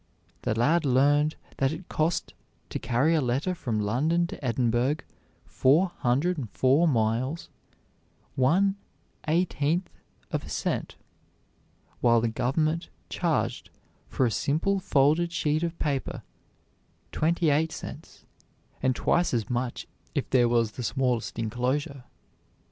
The lad learned that it cost to carry a letter from London to Edinburgh, four hundred and four miles, one eighteenth of a cent, while the government charged for a simple folded sheet of paper twenty eight cents, and twice as much if there was the smallest inclosure.